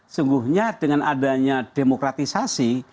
sungguhnya dengan adanya demokratisasi